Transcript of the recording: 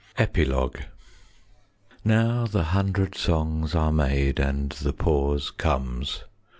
55 EPILOGUE Now the hundred songs are made, And the pause comes.